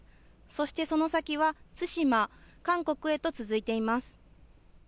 そしてその先は対馬、韓国へと続いています。